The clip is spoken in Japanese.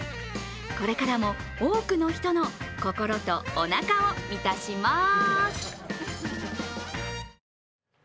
これからも多くの人の心とおなかを満たします。